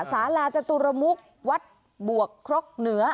สาราจตุรมุกวัดบวกครกเหนือ